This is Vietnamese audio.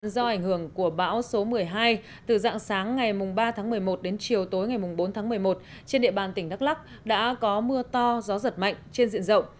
do ảnh hưởng của bão số một mươi hai từ dạng sáng ngày ba tháng một mươi một đến chiều tối ngày bốn tháng một mươi một trên địa bàn tỉnh đắk lắc đã có mưa to gió giật mạnh trên diện rộng